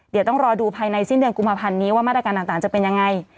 เดี๋ยวต้องรอดูภายในสิ้นเดือนกุมภาพันธ์นี้ว่ามาตรการต่างจะเป็นยังไง